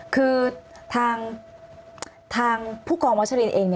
คือทางผู้กองวัชรินเอง